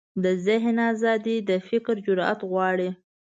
د ذهن ازادي د فکر جرئت غواړي.